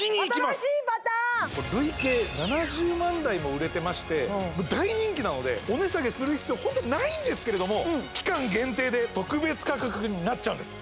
新しいパターン累計７０万台も売れてまして大人気なのでお値下げする必要ホントにないんですけれども期間限定で特別価格になっちゃうんです